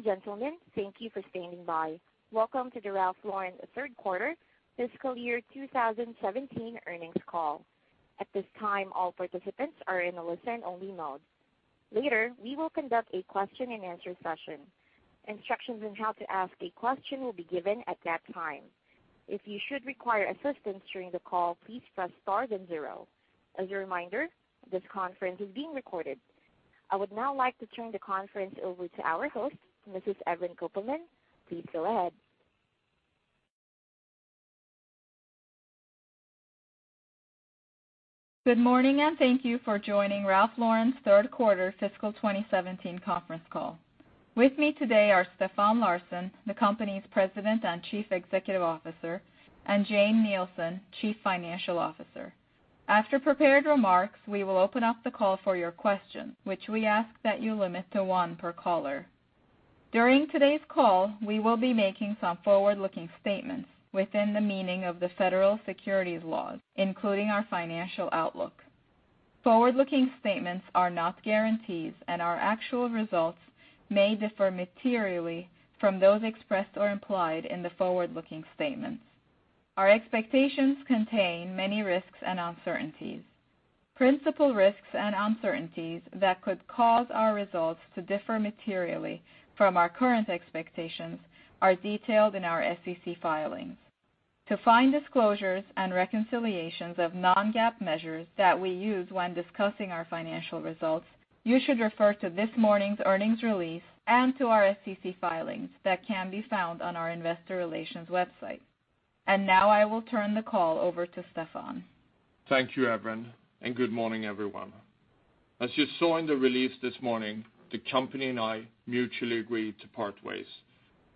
Ladies and gentlemen, thank you for standing by. Welcome to the Ralph Lauren third quarter fiscal year 2017 earnings call. At this time, all participants are in a listen-only mode. Later, we will conduct a question and answer session. Instructions on how to ask a question will be given at that time. If you should require assistance during the call, please press star then zero. As a reminder, this conference is being recorded. I would now like to turn the conference over to our host, Mrs. Evren Kopelman. Please go ahead. Good morning. Thank you for joining Ralph Lauren's third quarter fiscal 2017 conference call. With me today are Stefan Larsson, the company's President and Chief Executive Officer, and Jane Nielsen, Chief Financial Officer. After prepared remarks, we will open up the call for your questions, which we ask that you limit to one per caller. During today's call, we will be making some forward-looking statements within the meaning of the Federal Securities Laws, including our financial outlook. Forward-looking statements are not guarantees, and our actual results may differ materially from those expressed or implied in the forward-looking statements. Our expectations contain many risks and uncertainties. Principal risks and uncertainties that could cause our results to differ materially from our current expectations are detailed in our SEC filings. To find disclosures and reconciliations of non-GAAP measures that we use when discussing our financial results, you should refer to this morning's earnings release and to our SEC filings that can be found on our investor relations website. Now I will turn the call over to Stefan. Thank you, Evren. Good morning, everyone. As you saw in the release this morning, the company and I mutually agreed to part ways.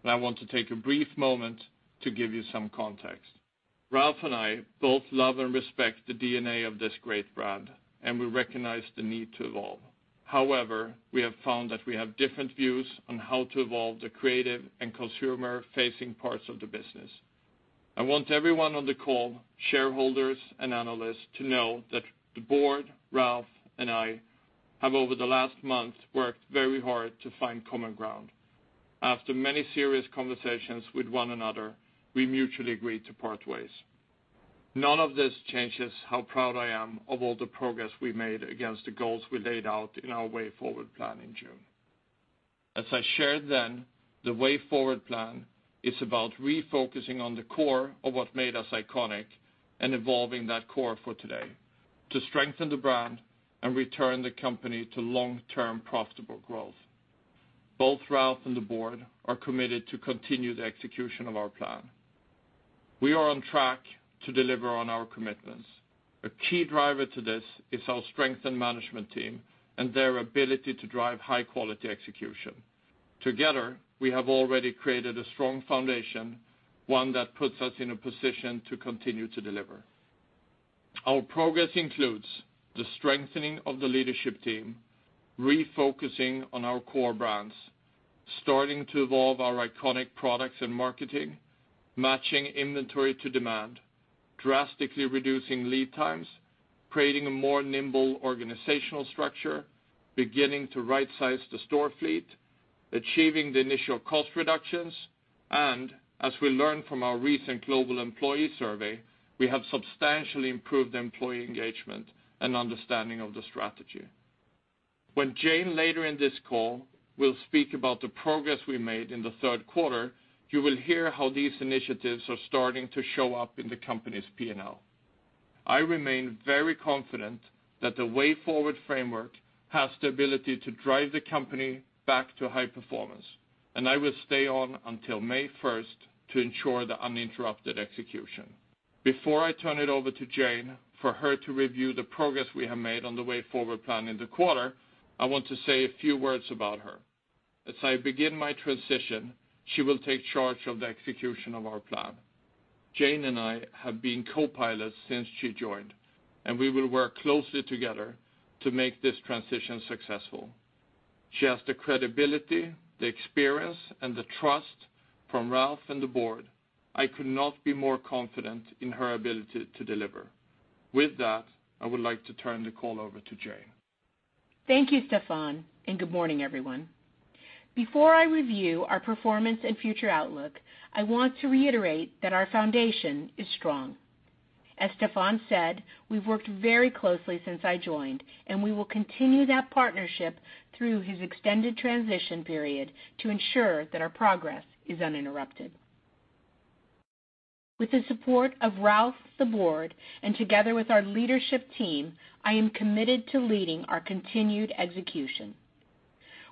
I want to take a brief moment to give you some context. Ralph and I both love and respect the DNA of this great brand, and we recognize the need to evolve. However, we have found that we have different views on how to evolve the creative and consumer-facing parts of the business. I want everyone on the call, shareholders and analysts, to know that the board, Ralph, and I have, over the last month, worked very hard to find common ground. After many serious conversations with one another, we mutually agreed to part ways. None of this changes how proud I am of all the progress we made against the goals we laid out in our Way Forward plan in June. As I shared then, the Way Forward plan is about refocusing on the core of what made us iconic and evolving that core for today to strengthen the brand and return the company to long-term profitable growth. Both Ralph and the board are committed to continue the execution of our plan. We are on track to deliver on our commitments. A key driver to this is our strengthened management team and their ability to drive high-quality execution. Together, we have already created a strong foundation, one that puts us in a position to continue to deliver. Our progress includes the strengthening of the leadership team, refocusing on our core brands, starting to evolve our iconic products and marketing, matching inventory to demand, drastically reducing lead times, creating a more nimble organizational structure, beginning to rightsize the store fleet, achieving the initial cost reductions. As we learned from our recent global employee survey, we have substantially improved employee engagement and understanding of the strategy. When Jane later in this call will speak about the progress we made in the third quarter, you will hear how these initiatives are starting to show up in the company's P&L. I remain very confident that the Way Forward framework has the ability to drive the company back to high performance. I will stay on until May 1st to ensure the uninterrupted execution. Before I turn it over to Jane for her to review the progress we have made on the Way Forward plan in the quarter, I want to say a few words about her. As I begin my transition, she will take charge of the execution of our plan. Jane and I have been co-pilots since she joined. We will work closely together to make this transition successful. She has the credibility, the experience, and the trust from Ralph and the board. I could not be more confident in her ability to deliver. With that, I would like to turn the call over to Jane. Thank you, Stefan. Good morning, everyone. Before I review our performance and future outlook, I want to reiterate that our foundation is strong. As Stefan said, we've worked very closely since I joined. We will continue that partnership through his extended transition period to ensure that our progress is uninterrupted. With the support of Ralph, the board, together with our leadership team, I am committed to leading our continued execution.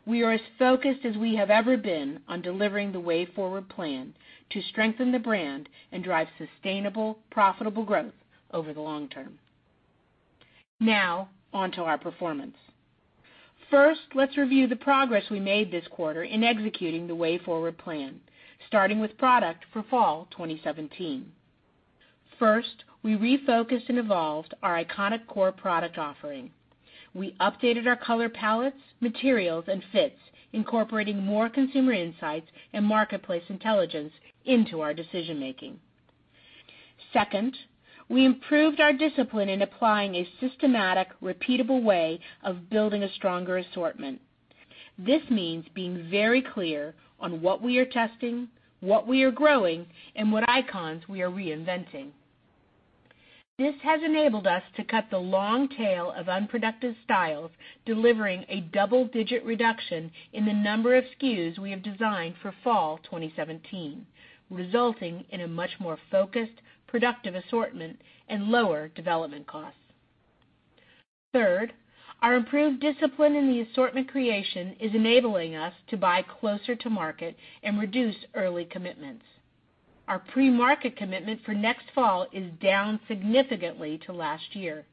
We are as focused as we have ever been on delivering the Way Forward plan to strengthen the brand and drive sustainable, profitable growth over the long term. Now on to our performance. First, let's review the progress we made this quarter in executing the Way Forward plan, starting with product for fall 2017. First, we refocused and evolved our iconic core product offering. We updated our color palettes, materials, and fits, incorporating more consumer insights and marketplace intelligence into our decision-making. Second, we improved our discipline in applying a systematic, repeatable way of building a stronger assortment. This means being very clear on what we are testing, what we are growing, and what icons we are reinventing. This has enabled us to cut the long tail of unproductive styles, delivering a double-digit reduction in the number of SKUs we have designed for fall 2017, resulting in a much more focused, productive assortment and lower development costs. Third, our improved discipline in the assortment creation is enabling us to buy closer to market and reduce early commitments. Our pre-market commitment for next fall is down significantly to last year.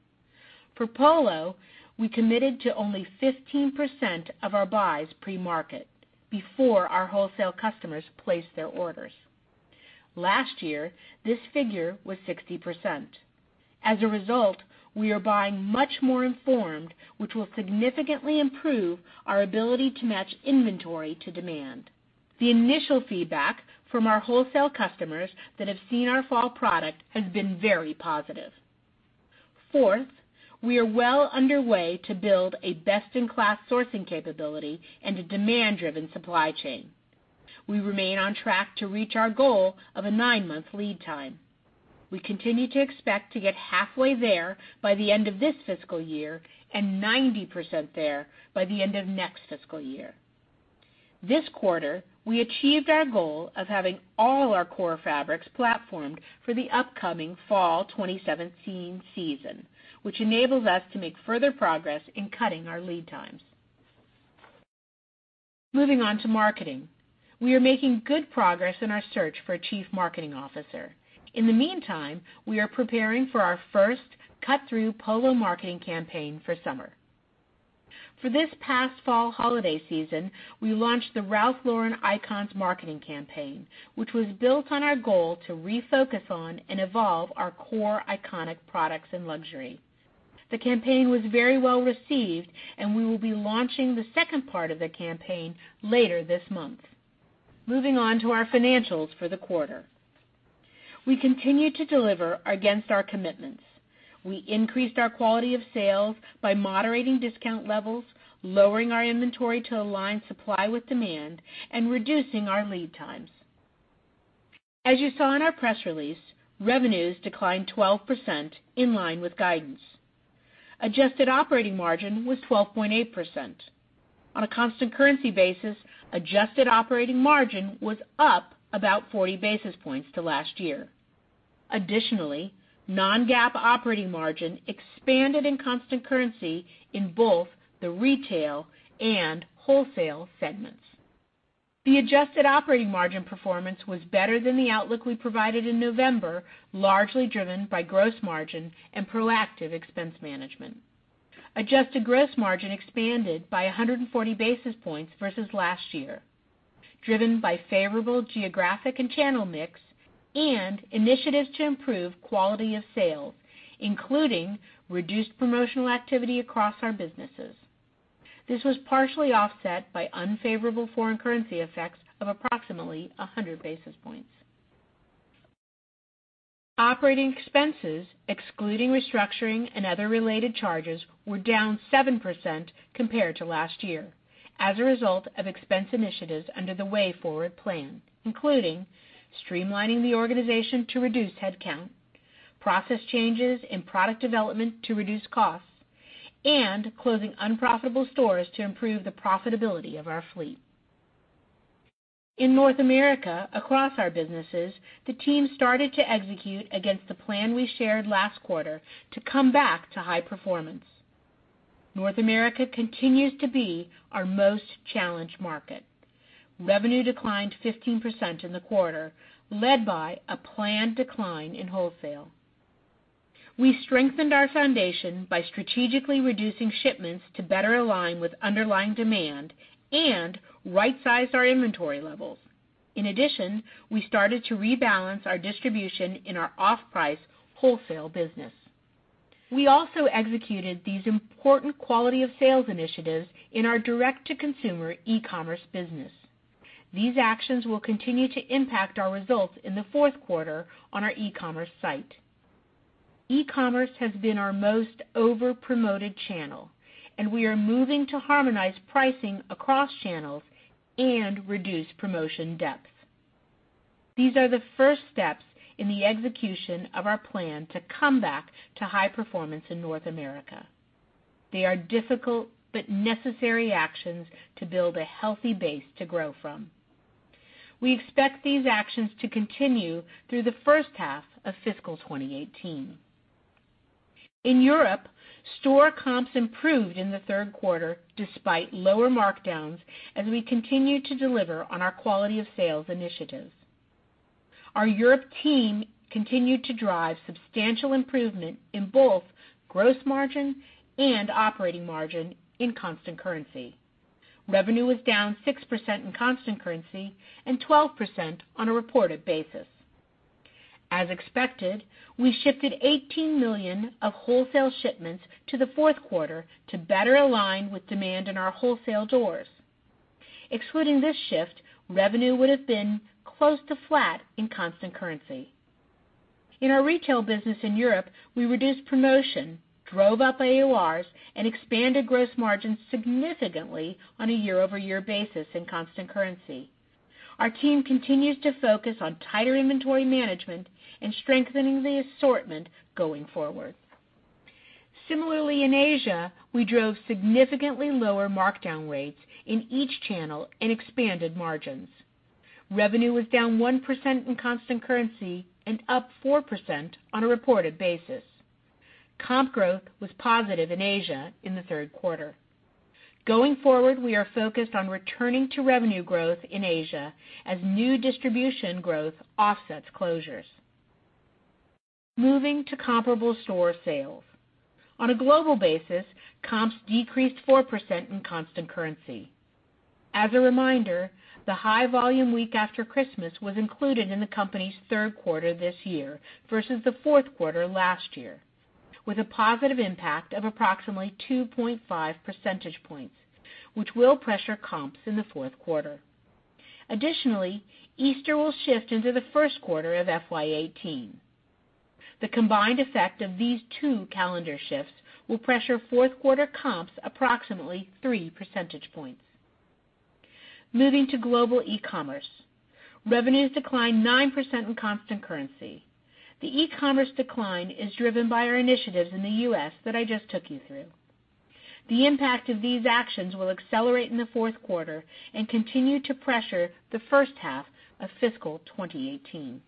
For Polo, we committed to only 15% of our buys pre-market before our wholesale customers place their orders. Last year, this figure was 60%. We are buying much more informed, which will significantly improve our ability to match inventory to demand. The initial feedback from our wholesale customers that have seen our fall product has been very positive. Fourth, we are well underway to build a best-in-class sourcing capability and a demand-driven supply chain. We remain on track to reach our goal of a nine-month lead time. We continue to expect to get halfway there by the end of this fiscal year and 90% there by the end of next fiscal year. This quarter, we achieved our goal of having all our core fabrics platformed for the upcoming fall 2017 season, which enables us to make further progress in cutting our lead times. Moving on to marketing. We are making good progress in our search for a chief marketing officer. In the meantime, we are preparing for our first cut-through Polo marketing campaign for summer. For this past fall holiday season, we launched the Ralph Lauren Icons marketing campaign, which was built on our goal to refocus on and evolve our core iconic products and luxury. We will be launching the second part of the campaign later this month. Moving on to our financials for the quarter. We continue to deliver against our commitments. We increased our quality of sales by moderating discount levels, lowering our inventory to align supply with demand, and reducing our lead times. As you saw in our press release, revenues declined 12%, in line with guidance. Adjusted operating margin was 12.8%. On a constant currency basis, adjusted operating margin was up about 40 basis points to last year. Additionally, non-GAAP operating margin expanded in constant currency in both the retail and wholesale segments. The adjusted operating margin performance was better than the outlook we provided in November, largely driven by gross margin and proactive expense management. Adjusted gross margin expanded by 140 basis points versus last year, driven by favorable geographic and channel mix and initiatives to improve quality of sales, including reduced promotional activity across our businesses. This was partially offset by unfavorable foreign currency effects of approximately 100 basis points. Operating expenses, excluding restructuring and other related charges, were down 7% compared to last year as a result of expense initiatives under the Way Forward plan, including streamlining the organization to reduce headcount, process changes in product development to reduce costs, and closing unprofitable stores to improve the profitability of our fleet. In North America, across our businesses, the team started to execute against the plan we shared last quarter to come back to high performance. North America continues to be our most challenged market. Revenue declined 15% in the quarter, led by a planned decline in wholesale. We strengthened our foundation by strategically reducing shipments to better align with underlying demand and right-sized our inventory levels. In addition, we started to rebalance our distribution in our off-price wholesale business. We also executed these important quality of sales initiatives in our direct-to-consumer e-commerce business. These actions will continue to impact our results in the fourth quarter on our e-commerce site. E-commerce has been our most over-promoted channel, and we are moving to harmonize pricing across channels and reduce promotion depth. These are the first steps in the execution of our plan to come back to high performance in North America. They are difficult but necessary actions to build a healthy base to grow from. We expect these actions to continue through the first half of fiscal 2018. In Europe, store comps improved in the third quarter despite lower markdowns as we continue to deliver on our quality of sales initiatives. Our Europe team continued to drive substantial improvement in both gross margin and operating margin in constant currency. Revenue was down 6% in constant currency and 12% on a reported basis. As expected, we shifted $18 million of wholesale shipments to the fourth quarter to better align with demand in our wholesale doors. Excluding this shift, revenue would have been close to flat in constant currency. In our retail business in Europe, we reduced promotion, drove up AURs, and expanded gross margins significantly on a year-over-year basis in constant currency. Our team continues to focus on tighter inventory management and strengthening the assortment going forward. Similarly, in Asia, we drove significantly lower markdown rates in each channel and expanded margins. Revenue was down 1% in constant currency and up 4% on a reported basis. Comp growth was positive in Asia in the third quarter. Going forward, we are focused on returning to revenue growth in Asia as new distribution growth offsets closures. Moving to comparable store sales. On a global basis, comps decreased 4% in constant currency. As a reminder, the high-volume week after Christmas was included in the company's third quarter this year versus the fourth quarter last year, with a positive impact of approximately 2.5 percentage points, which will pressure comps in the fourth quarter. Additionally, Easter will shift into the first quarter of FY 2018. The combined effect of these two calendar shifts will pressure fourth-quarter comps approximately three percentage points. Moving to global e-commerce. Revenues declined 9% in constant currency. The e-commerce decline is driven by our initiatives in the U.S. that I just took you through. The impact of these actions will accelerate in the fourth quarter and continue to pressure the first half of fiscal 2018.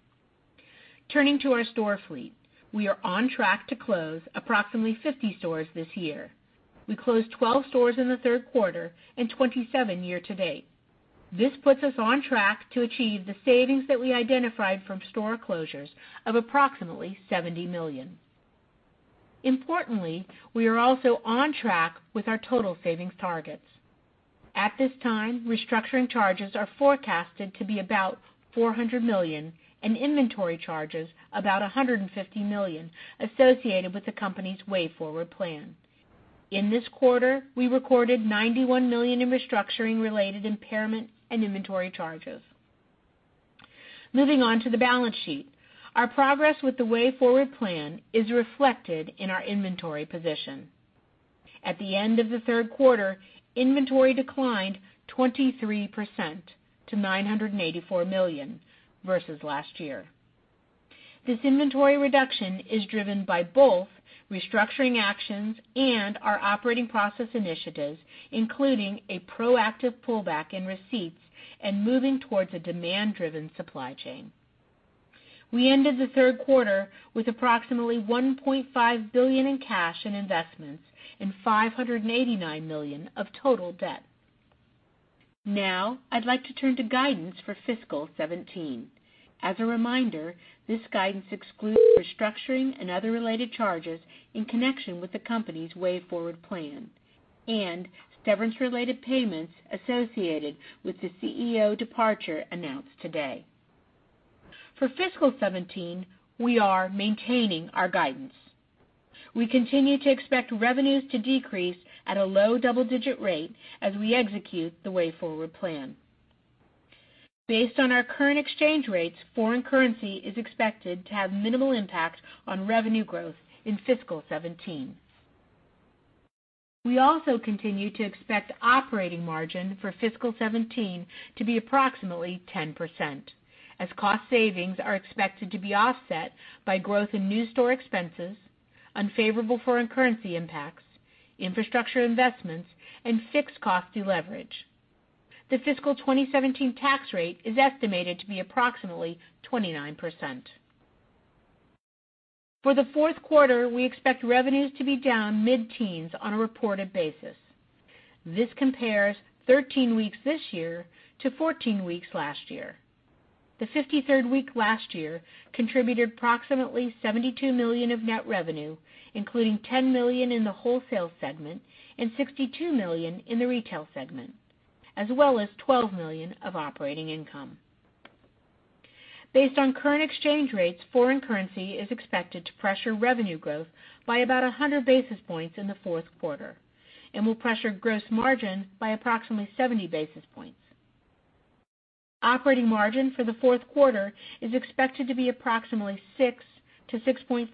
Turning to our store fleet. We are on track to close approximately 50 stores this year. We closed 12 stores in the third quarter and 27 year-to-date. This puts us on track to achieve the savings that we identified from store closures of approximately $70 million. Importantly, we are also on track with our total savings targets. At this time, restructuring charges are forecasted to be about $400 million and inventory charges about $150 million associated with the company's Way Forward plan. In this quarter, we recorded $91 million in restructuring-related impairment and inventory charges. Moving on to the balance sheet. Our progress with the Way Forward plan is reflected in our inventory position. At the end of the third quarter, inventory declined 23% to $984 million versus last year. This inventory reduction is driven by both restructuring actions and our operating process initiatives, including a proactive pullback in receipts and moving towards a demand-driven supply chain. We ended the third quarter with approximately $1.5 billion in cash and investments and $589 million of total debt. Now, I'd like to turn to guidance for fiscal 2017. As a reminder, this guidance excludes restructuring and other related charges in connection with the company's Way Forward plan and severance-related payments associated with the CEO departure announced today. For fiscal 2017, we are maintaining our guidance. We continue to expect revenues to decrease at a low double-digit rate as we execute the Way Forward plan. Based on our current exchange rates, foreign currency is expected to have minimal impact on revenue growth in fiscal 2017. We also continue to expect operating margin for fiscal 2017 to be approximately 10%, as cost savings are expected to be offset by growth in new store expenses, unfavorable foreign currency impacts, infrastructure investments, and fixed cost deleverage. The fiscal 2017 tax rate is estimated to be approximately 29%. For the fourth quarter, we expect revenues to be down mid-teens on a reported basis. This compares 13 weeks this year to 14 weeks last year. The 53rd week last year contributed approximately $72 million of net revenue, including $10 million in the wholesale segment and $62 million in the retail segment, as well as $12 million of operating income. Based on current exchange rates, foreign currency is expected to pressure revenue growth by about 100 basis points in the fourth quarter and will pressure gross margin by approximately 70 basis points. Operating margin for the fourth quarter is expected to be approximately 6%-6.5%.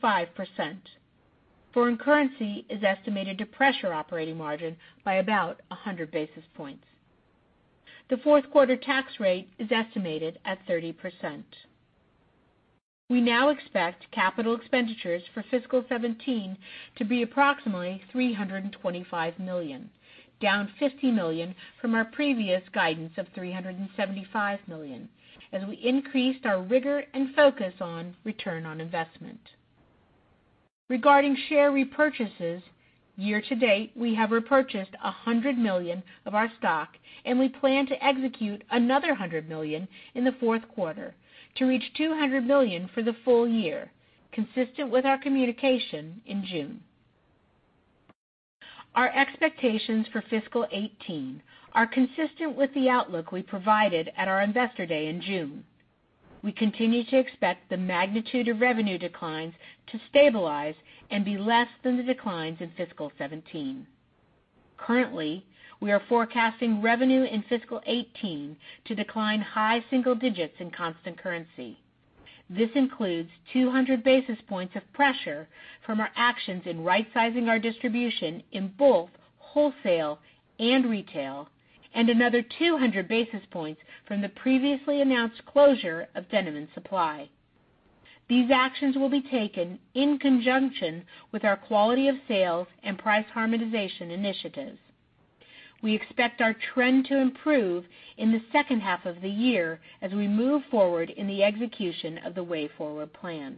Foreign currency is estimated to pressure operating margin by about 100 basis points. The fourth-quarter tax rate is estimated at 30%. We now expect capital expenditures for fiscal 2017 to be approximately $325 million, down $50 million from our previous guidance of $375 million, as we increased our rigor and focus on return on investment. Regarding share repurchases, year-to-date, we have repurchased $100 million of our stock, and we plan to execute another $100 million in the fourth quarter to reach $200 million for the full year, consistent with our communication in June. Our expectations for fiscal 2018 are consistent with the outlook we provided at our investor day in June. We continue to expect the magnitude of revenue declines to stabilize and be less than the declines in fiscal 2017. Currently, we are forecasting revenue in fiscal 2018 to decline high single digits in constant currency. This includes 200 basis points of pressure from our actions in rightsizing our distribution in both wholesale and retail, and another 200 basis points from the previously announced closure of Denim & Supply. These actions will be taken in conjunction with our quality-of-sales and price harmonization initiatives. We expect our trend to improve in the second half of the year as we move forward in the execution of the Way Forward plan.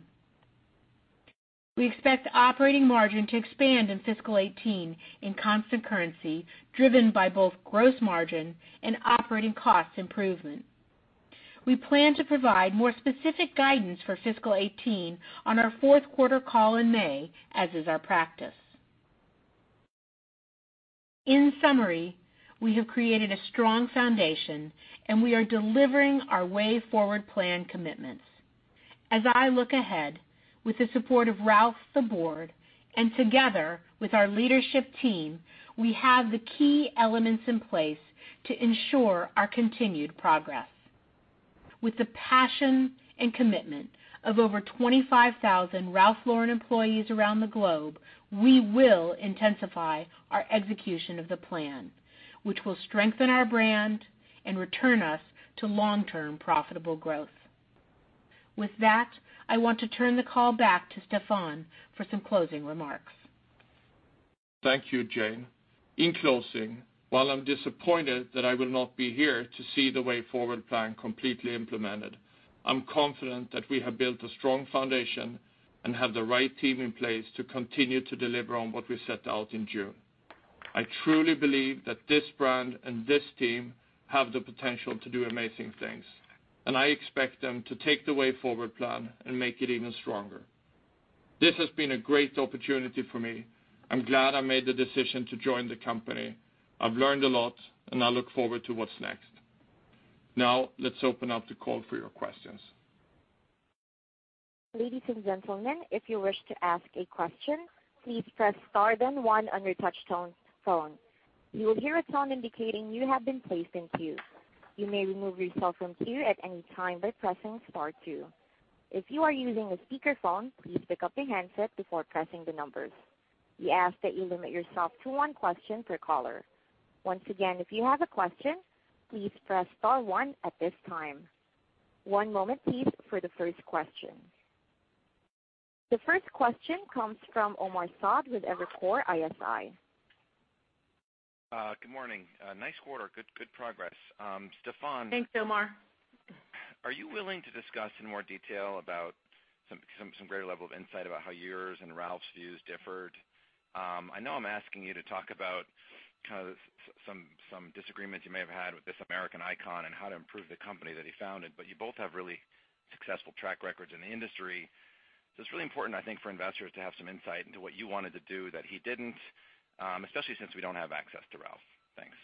We expect operating margin to expand in fiscal 2018 in constant currency, driven by both gross margin and operating cost improvement. We plan to provide more specific guidance for fiscal 2018 on our fourth quarter call in May, as is our practice. In summary, we have created a strong foundation. We are delivering our Way Forward plan commitments. As I look ahead, with the support of Ralph, the board, together with our leadership team, we have the key elements in place to ensure our continued progress. With the passion and commitment of over 25,000 Ralph Lauren employees around the globe, we will intensify our execution of the plan, which will strengthen our brand and return us to long-term profitable growth. With that, I want to turn the call back to Stefan for some closing remarks. Thank you, Jane. In closing, while I'm disappointed that I will not be here to see the Way Forward plan completely implemented, I'm confident that we have built a strong foundation and have the right team in place to continue to deliver on what we set out in June. I truly believe that this brand and this team have the potential to do amazing things. I expect them to take the Way Forward plan and make it even stronger. This has been a great opportunity for me. I'm glad I made the decision to join the company. I've learned a lot. I look forward to what's next. Now, let's open up the call for your questions. Ladies and gentlemen, if you wish to ask a question, please press star then one on your touchtone phone. You will hear a tone indicating you have been placed in queue. You may remove yourself from queue at any time by pressing star two. If you are using a speakerphone, please pick up the handset before pressing the numbers. We ask that you limit yourself to one question per caller. Once again, if you have a question, please press star one at this time. One moment please for the first question. The first question comes from Omar Saad with Evercore ISI. Good morning. Nice quarter. Good progress. Stefan. Thanks, Omar. Are you willing to discuss in more detail about some greater level of insight about how yours and Ralph's views differed? I know I'm asking you to talk about kind of some disagreement you may have had with this American icon on how to improve the company that he founded, but you both have really successful track records in the industry. It's really important, I think, for investors to have some insight into what you wanted to do that he didn't, especially since we don't have access to Ralph. Thanks.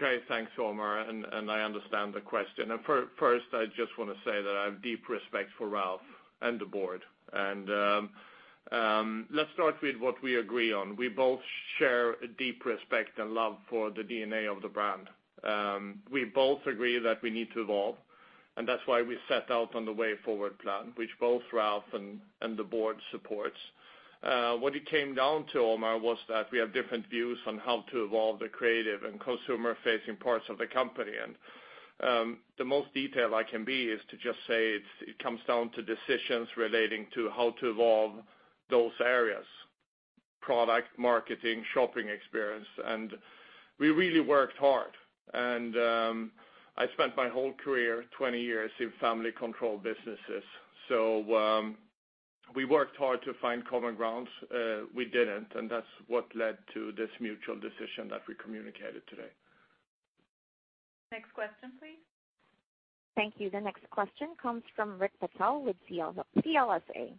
Okay. Thanks, Omar. I understand the question. First, I just want to say that I have deep respect for Ralph and the board. Let's start with what we agree on. We both share a deep respect and love for the DNA of the brand. We both agree that we need to evolve, and that's why we set out on the Way Forward plan, which both Ralph and the board supports. What it came down to, Omar, was that we have different views on how to evolve the creative and consumer-facing parts of the company. The most detail I can be is to just say it comes down to decisions relating to how to evolve those areas, product, marketing, shopping experience. We really worked hard. I spent my whole career, 20 years, in family-controlled businesses. We worked hard to find common grounds. We didn't, that's what led to this mutual decision that we communicated today. Next question, please. Thank you. The next question comes from Rick Patel with CLSA.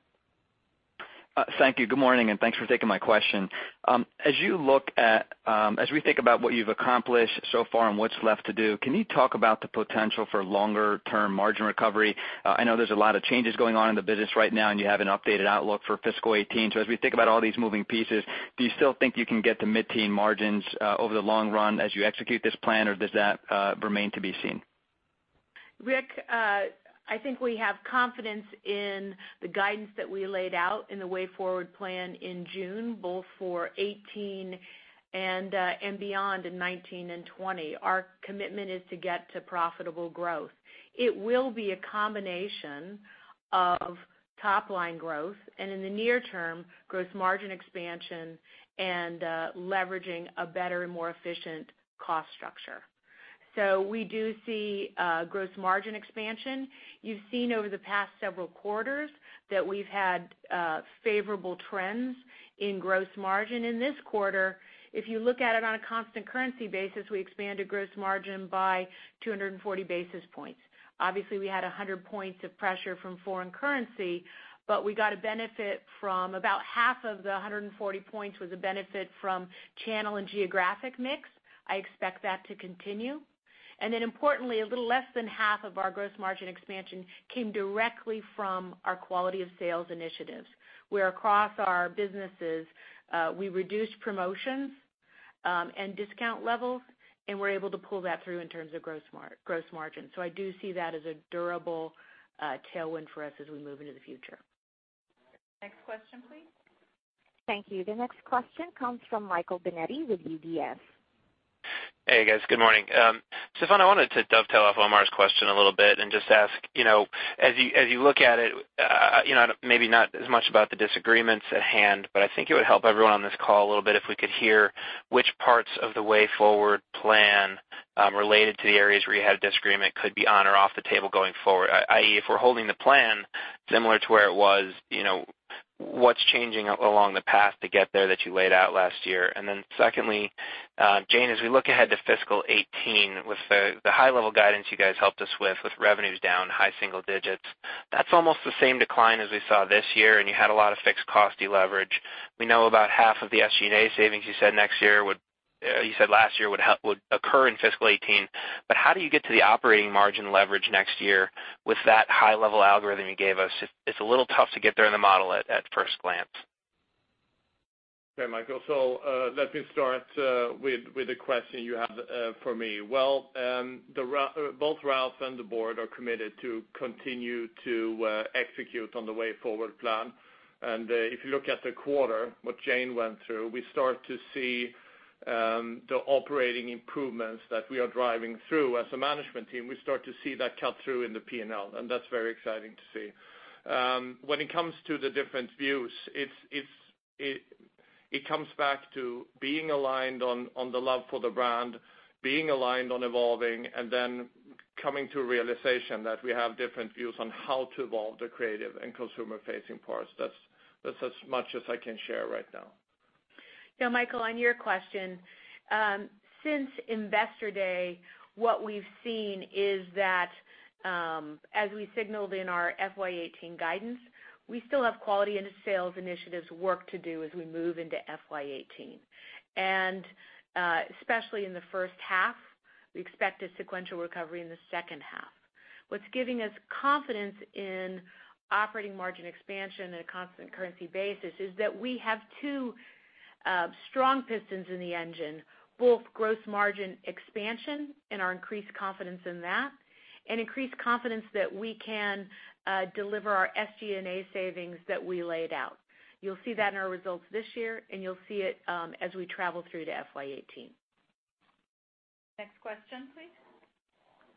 Thank you. Good morning, thanks for taking my question. As we think about what you've accomplished so far and what's left to do, can you talk about the potential for longer-term margin recovery? I know there's a lot of changes going on in the business right now, you have an updated outlook for fiscal 2018. As we think about all these moving pieces, do you still think you can get to mid-teen margins over the long run as you execute this plan, or does that remain to be seen? Rick, I think we have confidence in the guidance that we laid out in the Way Forward plan in June, both for 2018 and beyond in 2019 and 2020. Our commitment is to get to profitable growth. It will be a combination of top-line growth, and in the near term, gross margin expansion and leveraging a better and more efficient cost structure. We do see gross margin expansion. You've seen over the past several quarters that we've had favorable trends in gross margin. In this quarter, if you look at it on a constant currency basis, we expanded gross margin by 240 basis points. Obviously, we had 100 points of pressure from foreign currency, we got a benefit from about half of the 140 points was a benefit from channel and geographic mix I expect that to continue. Importantly, a little less than half of our gross margin expansion came directly from our quality of sales initiatives, where across our businesses, we reduced promotions and discount levels, and we are able to pull that through in terms of gross margin. I do see that as a durable tailwind for us as we move into the future. Next question, please. Thank you. The next question comes from Michael Binetti with UBS. Hey, guys. Good morning. Stefan, I wanted to dovetail off Omar's question a little bit and just ask, as you look at it, maybe not as much about the disagreements at hand, but I think it would help everyone on this call a little bit if we could hear which parts of the Way Forward plan, related to the areas where you had disagreement could be on or off the table going forward, i.e., if we're holding the plan similar to where it was, what's changing along the path to get there that you laid out last year? Secondly, Jane, as we look ahead to FY 2018 with the high level guidance you guys helped us with revenues down high single digits. That's almost the same decline as we saw this year, and you had a lot of fixed cost deleverage. We know about half of the SG&A savings you said last year would occur in FY 2018. How do you get to the operating margin leverage next year with that high level algorithm you gave us? It's a little tough to get there in the model at first glance. Okay, Michael, let me start with the question you have for me. Both Ralph and the board are committed to continue to execute on the Way Forward plan. If you look at the quarter, what Jane went through, we start to see the operating improvements that we are driving through as a management team. We start to see that cut through in the P&L, and that's very exciting to see. When it comes to the different views, it comes back to being aligned on the love for the brand, being aligned on evolving, coming to realization that we have different views on how to evolve the creative and consumer-facing parts. That's as much as I can share right now. Yeah, Michael, on your question, since Investor Day, what we've seen is that, as we signaled in our FY 2018 guidance, we still have quality into sales initiatives work to do as we move into FY 2018. Especially in the first half, we expect a sequential recovery in the second half. What's giving us confidence in operating margin expansion in a constant currency basis is that we have two strong pistons in the engine, both gross margin expansion and our increased confidence in that, and increased confidence that we can deliver our SG&A savings that we laid out. You'll see that in our results this year, and you'll see it as we travel through to FY 2018. Next question, please.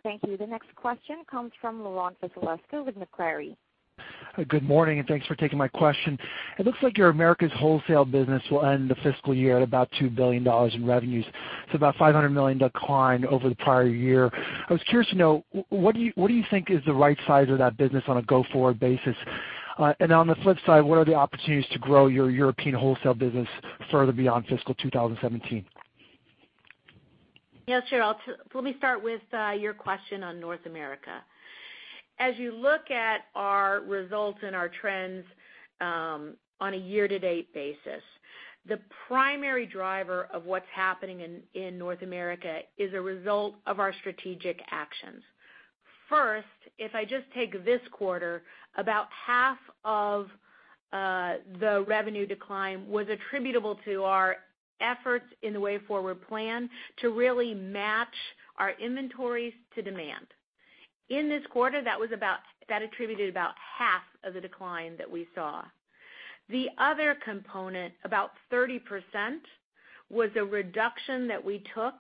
Thank you. The next question comes from Laurent Vasilescu with Macquarie. Good morning. Thanks for taking my question. It looks like your Americas wholesale business will end the fiscal year at about $2 billion in revenues. About $500 million decline over the prior year. I was curious to know, what do you think is the right size of that business on a go-forward basis? And on the flip side, what are the opportunities to grow your European wholesale business further beyond fiscal 2017? Sure, let me start with your question on North America. As you look at our results and our trends on a year-to-date basis, the primary driver of what's happening in North America is a result of our strategic actions. First, if I just take this quarter, about half of the revenue decline was attributable to our efforts in the Way Forward plan to really match our inventories to demand. In this quarter, that attributed about half of the decline that we saw. The other component, about 30%, was a reduction that we took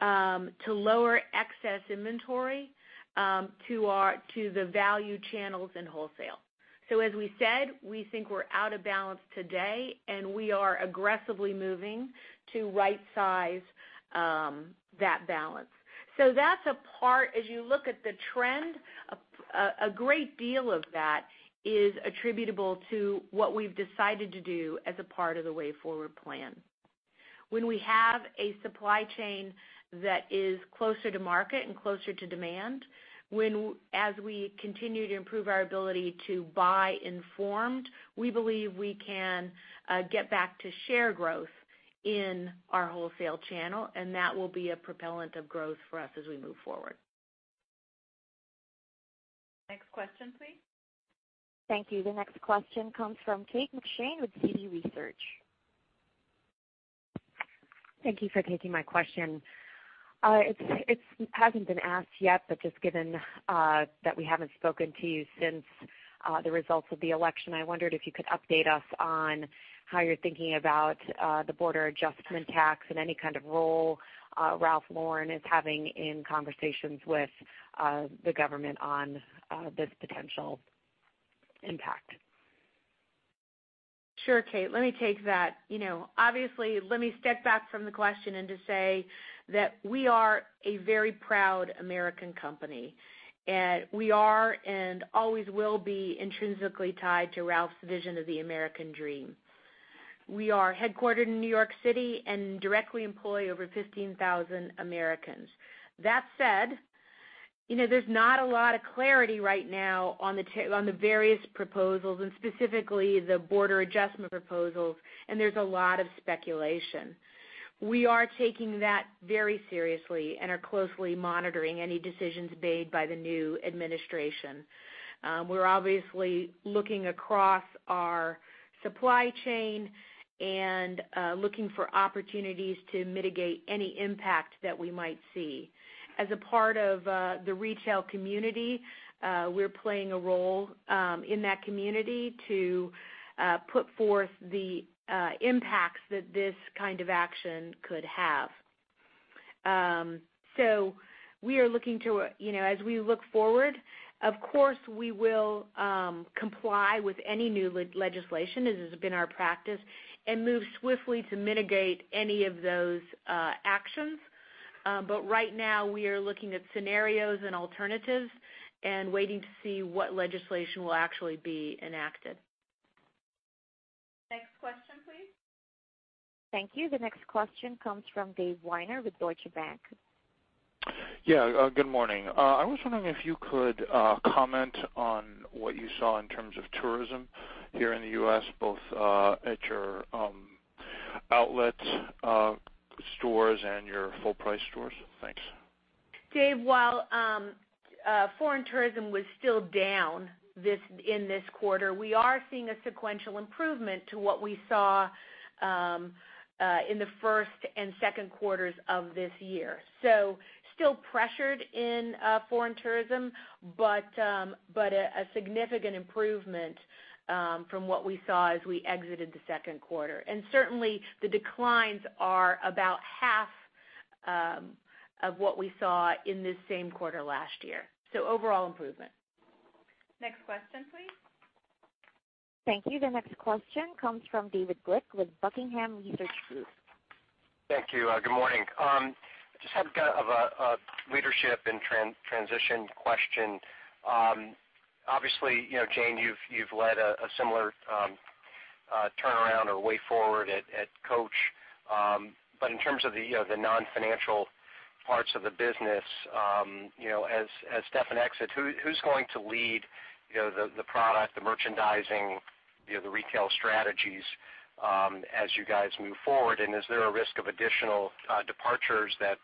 to lower excess inventory to the value channels in wholesale. As we said, we think we're out of balance today, and we are aggressively moving to rightsize that balance. That's a part, as you look at the trend, a great deal of that is attributable to what we've decided to do as a part of the Way Forward plan. When we have a supply chain that is closer to market and closer to demand, as we continue to improve our ability to buy informed, we believe we can get back to share growth in our wholesale channel, and that will be a propellant of growth for us as we move forward. Next question, please. Thank you. The next question comes from Kate McShane with Citi Research. Thank you for taking my question. It hasn't been asked yet, but just given that we haven't spoken to you since the results of the election, I wondered if you could update us on how you're thinking about the border adjustment tax and any kind of role Ralph Lauren is having in conversations with the government on this potential impact. Sure, Kate, let me take that. Obviously, let me step back from the question and just say that we are a very proud American company, and we are and always will be intrinsically tied to Ralph's vision of the American dream. We are headquartered in New York City and directly employ over 15,000 Americans. That said There's not a lot of clarity right now on the various proposals, and specifically the border adjustment proposals, and there's a lot of speculation. We are taking that very seriously and are closely monitoring any decisions made by the new administration. We're obviously looking across our supply chain and looking for opportunities to mitigate any impact that we might see. As a part of the retail community, we're playing a role in that community to put forth the impacts that this kind of action could have. As we look forward, of course, we will comply with any new legislation, as has been our practice, and move swiftly to mitigate any of those actions. Right now, we are looking at scenarios and alternatives and waiting to see what legislation will actually be enacted. Next question, please. Thank you. The next question comes from Dave Weiner with Deutsche Bank. Yeah. Good morning. I was wondering if you could comment on what you saw in terms of tourism here in the U.S., both at your outlet stores and your full-price stores. Thanks. Dave, while foreign tourism was still down in this quarter, we are seeing a sequential improvement to what we saw in the first and second quarters of this year. Still pressured in foreign tourism, but a significant improvement from what we saw as we exited the second quarter. Certainly, the declines are about half of what we saw in this same quarter last year. Overall improvement. Next question, please. Thank you. The next question comes from David Glick with Buckingham Research Group. Thank you. Good morning. Just had kind of a leadership and transition question. Obviously, Jane, you've led a similar turnaround or Way Forward at Coach. In terms of the non-financial parts of the business, as Stefan exits, who's going to lead the product, the merchandising, the retail strategies as you guys move forward? Is there a risk of additional departures that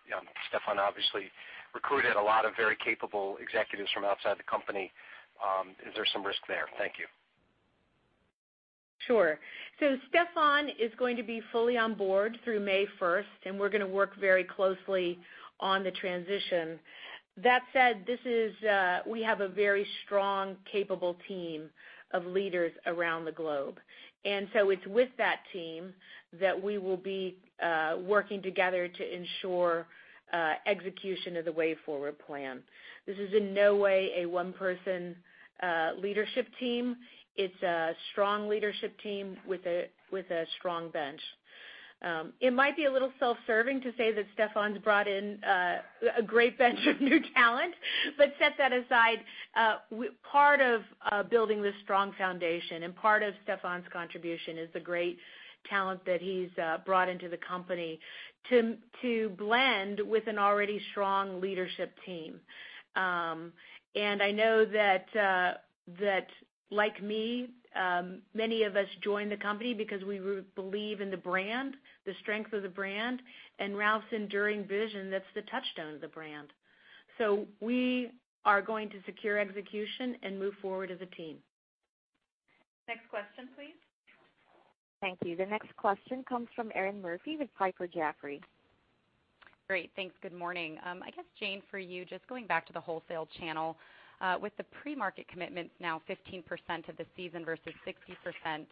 Stefan obviously recruited a lot of very capable executives from outside the company. Is there some risk there? Thank you. Sure. Stefan is going to be fully on board through May 1st, and we're going to work very closely on the transition. That said, we have a very strong, capable team of leaders around the globe. It's with that team that we will be working together to ensure execution of the Way Forward plan. This is in no way a one-person leadership team. It's a strong leadership team with a strong bench. It might be a little self-serving to say that Stefan's brought in a great bench of new talent. Set that aside, part of building this strong foundation and part of Stefan's contribution is the great talent that he's brought into the company to blend with an already strong leadership team. I know that like me, many of us joined the company because we believe in the brand, the strength of the brand, and Ralph's enduring vision that's the touchstone of the brand. We are going to secure execution and move forward as a team. Next question, please. Thank you. The next question comes from Erinn Murphy with Piper Jaffray. Great. Thanks. Good morning. I guess, Jane, for you, just going back to the wholesale channel. With the pre-market commitments now 15% of the season versus 60%,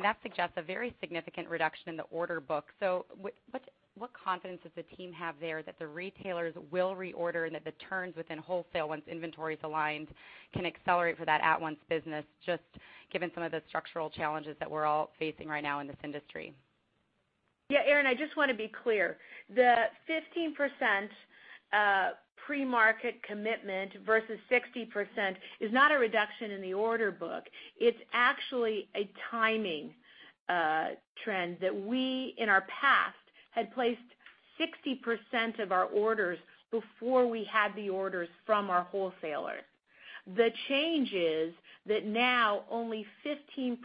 that suggests a very significant reduction in the order book. What confidence does the team have there that the retailers will reorder and that the turns within wholesale, once inventory's aligned, can accelerate for that at-once business, just given some of the structural challenges that we're all facing right now in this industry? Yeah, Erinn, I just want to be clear. The 15% pre-market commitment versus 60% is not a reduction in the order book. It's actually a timing trend that we, in our past, had placed 60% of our orders before we had the orders from our wholesalers. The change is that now only 15%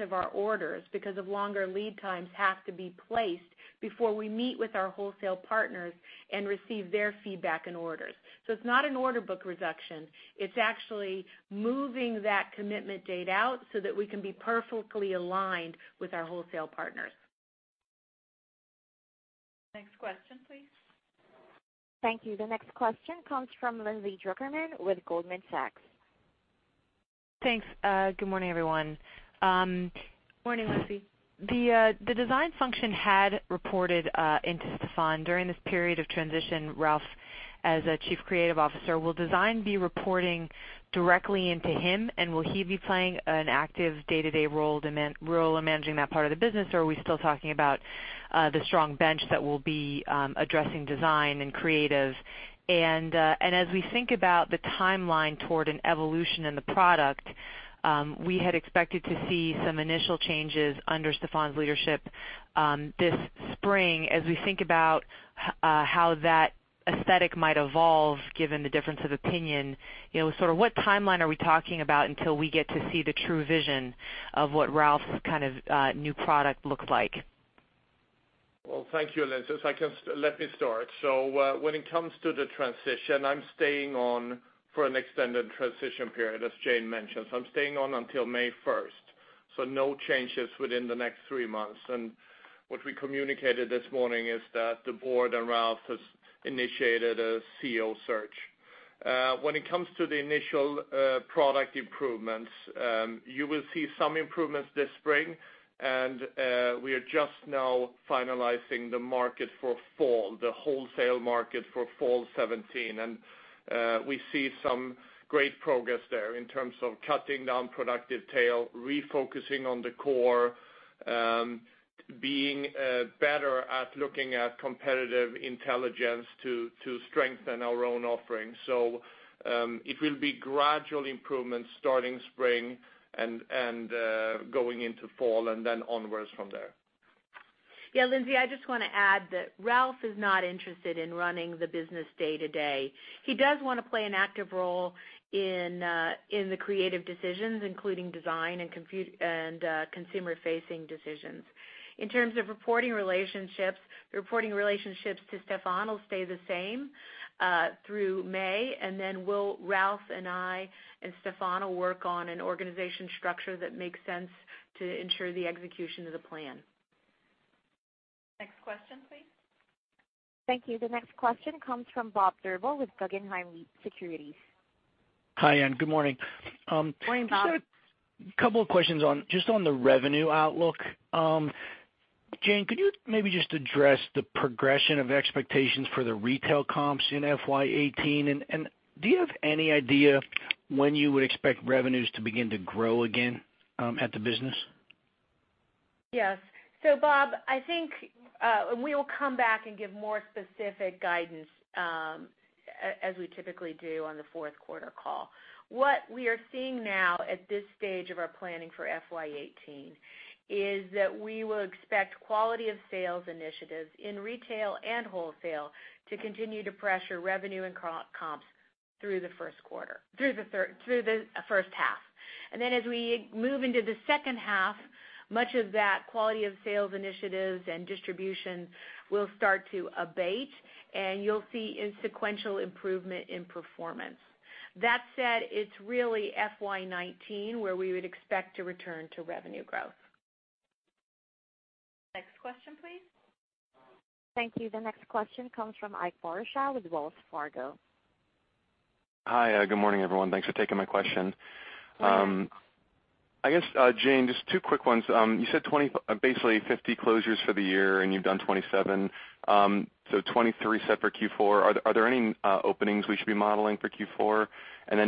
of our orders, because of longer lead times, have to be placed before we meet with our wholesale partners and receive their feedback and orders. It's not an order book reduction. It's actually moving that commitment date out so that we can be perfectly aligned with our wholesale partners. Next question, please. Thank you. The next question comes from Lindsay Drucker Mann with Goldman Sachs. Thanks. Good morning, everyone. Morning, Lindsay. The design function had reported into Stefan during this period of transition, Ralph, as a Chief Creative Officer. Will design be reporting directly into him? Will he be playing an active day-to-day role in managing that part of the business? Or are we still talking about the strong bench that will be addressing design and creative? As we think about the timeline toward an evolution in the product, we had expected to see some initial changes under Stefan's leadership this spring. how that aesthetic might evolve given the difference of opinion. What timeline are we talking about until we get to see the true vision of what Ralph's kind of new product looks like? Thank you, Lindsay. Let me start. When it comes to the transition, I'm staying on for an extended transition period, as Jane mentioned. I'm staying on until May 1st, no changes within the next three months. What we communicated this morning is that the board and Ralph has initiated a CEO search. When it comes to the initial product improvements, you will see some improvements this spring, and we are just now finalizing the market for fall, the wholesale market for fall 2017. We see some great progress there in terms of cutting down unproductive tail, refocusing on the core, being better at looking at competitive intelligence to strengthen our own offerings. It will be gradual improvements starting spring and going into fall and then onwards from there. Lindsay, I just want to add that Ralph is not interested in running the business day to day. He does want to play an active role in the creative decisions, including design and consumer-facing decisions. In terms of reporting relationships, the reporting relationships to Stefan will stay the same, through May, Ralph and I and Stefan will work on an organization structure that makes sense to ensure the execution of the plan. Next question, please. Thank you. The next question comes from Bob Drbul with Guggenheim Securities. Hi, good morning. Morning, Bob. Just a couple of questions just on the revenue outlook. Jane, could you maybe just address the progression of expectations for the retail comps in FY 2018? Do you have any idea when you would expect revenues to begin to grow again at the business? Yes. Bob, I think we will come back and give more specific guidance as we typically do on the fourth quarter call. What we are seeing now at this stage of our planning for FY 2018 is that we will expect quality of sales initiatives in retail and wholesale to continue to pressure revenue and comps through the first half. As we move into the second half, much of that quality of sales initiatives and distribution will start to abate, and you'll see a sequential improvement in performance. That said, it's really FY 2019 where we would expect to return to revenue growth. Next question, please. Thank you. The next question comes from Ike Boruchow with Wells Fargo. Hi, good morning, everyone. Thanks for taking my question. Hi. I guess, Jane, just two quick ones. You said basically 50 closures for the year, and you've done 27. 23 set for Q4. Are there any openings we should be modeling for Q4?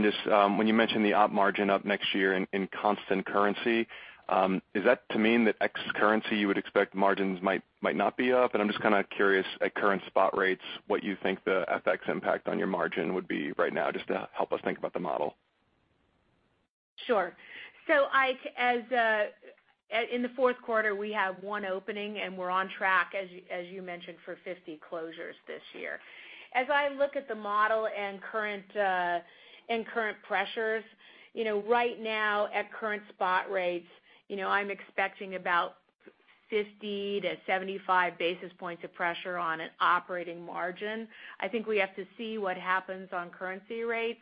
Just when you mentioned the op margin up next year in constant currency, is that to mean that ex currency, you would expect margins might not be up? I'm just kind of curious at current spot rates, what you think the FX impact on your margin would be right now, just to help us think about the model. Sure. Ike, in the fourth quarter, we have one opening, and we're on track, as you mentioned, for 50 closures this year. As I look at the model and current pressures, right now at current spot rates, I'm expecting about 50-75 basis points of pressure on an operating margin. I think we have to see what happens on currency rates.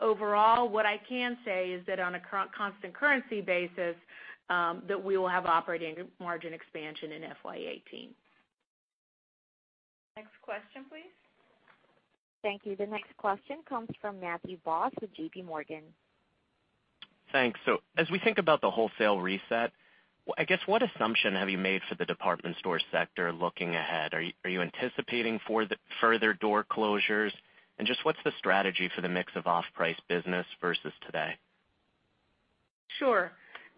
Overall, what I can say is that on a constant currency basis, that we will have operating margin expansion in FY 2018. Next question, please. Thank you. The next question comes from Matthew Boss with JPMorgan. Thanks. As we think about the wholesale reset, I guess what assumption have you made for the department store sector looking ahead? Are you anticipating further door closures? Just what's the strategy for the mix of off-price business versus today? Sure.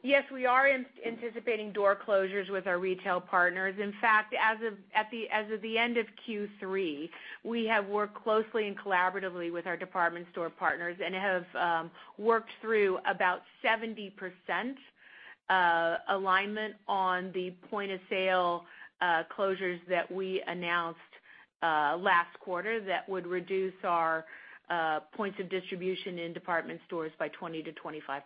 Yes, we are anticipating door closures with our retail partners. In fact, as of the end of Q3, we have worked closely and collaboratively with our department store partners and have worked through about 70% alignment on the point of sale closures that we announced last quarter that would reduce our points of distribution in department stores by 20%-25%.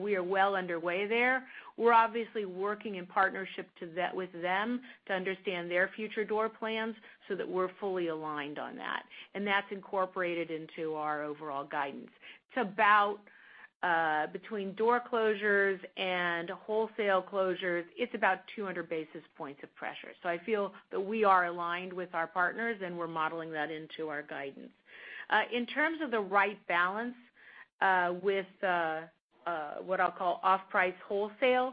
We are well underway there. We're obviously working in partnership with them to understand their future door plans so that we're fully aligned on that. That's incorporated into our overall guidance. Between door closures and wholesale closures, it's about 200 basis points of pressure. I feel that we are aligned with our partners, and we're modeling that into our guidance. In terms of the right balance with what I'll call off-price wholesale,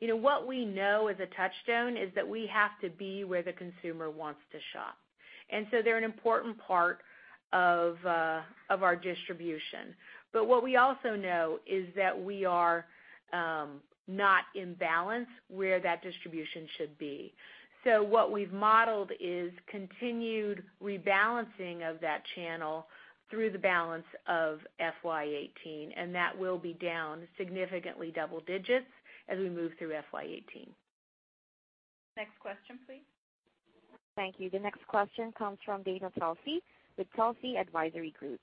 what we know as a touchstone is that we have to be where the consumer wants to shop. They're an important part of our distribution. What we also know is that we are not in balance where that distribution should be. What we've modeled is continued rebalancing of that channel through the balance of FY18, and that will be down significantly double digits as we move through FY18. Next question, please. Thank you. The next question comes from Dana Telsey with Telsey Advisory Group.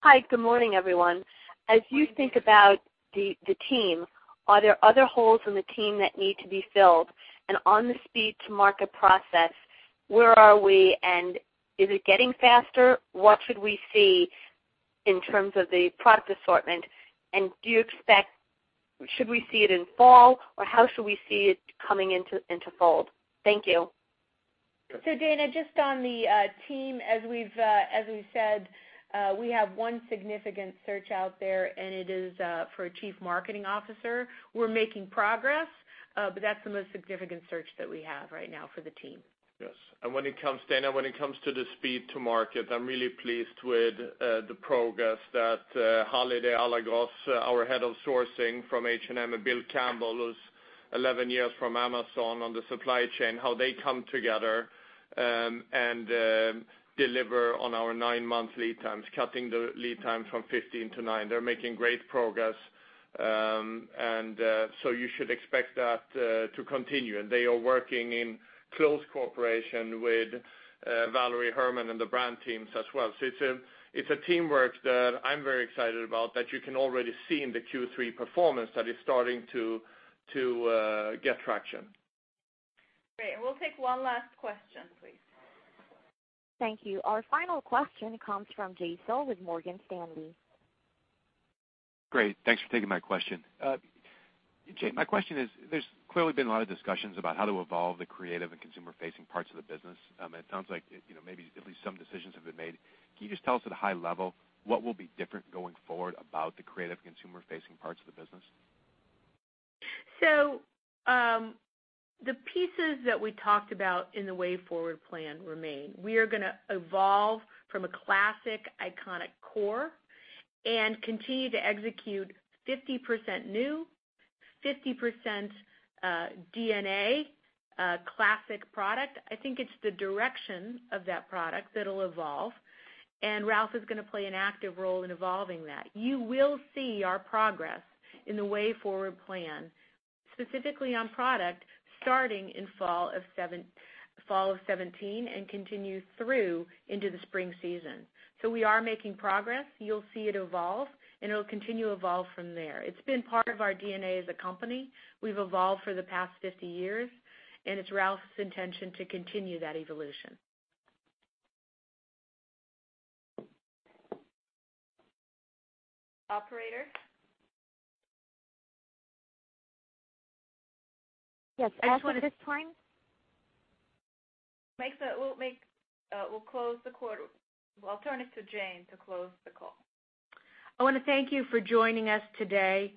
Hi, good morning, everyone. As you think about the team, are there other holes in the team that need to be filled? On the speed to market process, where are we and is it getting faster? What should we see in terms of the product assortment? Should we see it in fall, or how should we see it coming into fold? Thank you. Dana, just on the team, as we've said, we have one significant search out there, and it is for a chief marketing officer. We're making progress, but that's the most significant search that we have right now for the team. Yes. Dana, when it comes to the speed to market, I'm really pleased with the progress that Halide Alagöz, our head of sourcing from H&M, and Bill Campbell, who's 11 years from Amazon on the supply chain, how they come together, and deliver on our nine-month lead times, cutting the lead time from 15 to nine. They're making great progress, you should expect that to continue. They are working in close cooperation with Valerie Hermann and the brand teams as well. It's a teamwork that I'm very excited about that you can already see in the Q3 performance that is starting to get traction. Great. We'll take one last question, please. Thank you. Our final question comes from Jason with Morgan Stanley. Great. Thanks for taking my question. Jane, my question is, there's clearly been a lot of discussions about how to evolve the creative and consumer-facing parts of the business, and it sounds like maybe at least some decisions have been made. Can you just tell us at a high level what will be different going forward about the creative consumer-facing parts of the business? The pieces that we talked about in the Way Forward plan remain. We are going to evolve from a classic iconic core and continue to execute 50% new, 50% DNA, classic product. I think it's the direction of that product that'll evolve, and Ralph is going to play an active role in evolving that. You will see our progress in the Way Forward plan, specifically on product, starting in fall of 2017 and continue through into the spring season. We are making progress. You'll see it evolve, and it'll continue to evolve from there. It's been part of our DNA as a company. We've evolved for the past 50 years, and it's Ralph's intention to continue that evolution. Operator? Yes, at this time. We'll close the quarter. I'll turn it to Jane to close the call. I want to thank you for joining us today.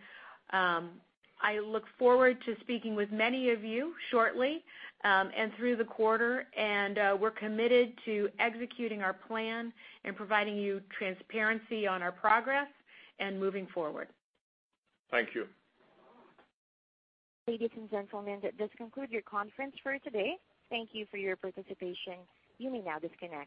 I look forward to speaking with many of you shortly, and through the quarter, we're committed to executing our plan and providing you transparency on our progress and moving forward. Thank you. Ladies and gentlemen, this concludes your conference for today. Thank you for your participation. You may now disconnect.